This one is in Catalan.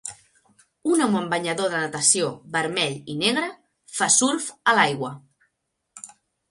Un home amb banyador de natació vermell i negre fa surf a l'aigua.